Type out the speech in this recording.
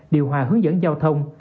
điều hòa hướng dẫn giao thông